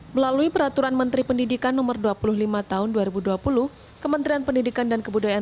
melalui peraturan menteri pendidikan no dua puluh lima tahun dua ribu dua puluh kementerian pendidikan dan kebudayaan